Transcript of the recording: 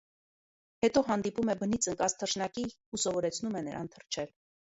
Հետո հանդիպում է բնից ընկած թռչնակի ու սովորեցնում է նրան թռչել։